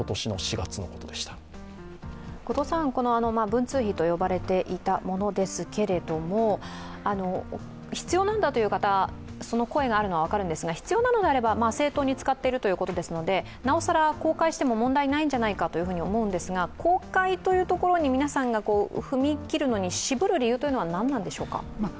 文通費と呼ばれていたものですけれども必要なんだという方、その声があるのは分かるんですが必要なのであれば、正当に使っているということですのでなおさら公開しても問題ないんじゃないかと思うんですが公開というところに皆さんが踏み切るのに渋る理由は何なのでしょうか。